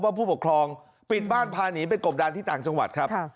ผู้ปกครองปิดบ้านพาหนีไปกบดานที่ต่างจังหวัดครับ